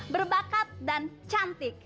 berbakat dan cantik